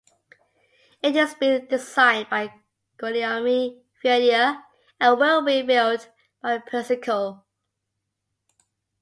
It is being designed by Guillaume Verdier and will be built by Persico.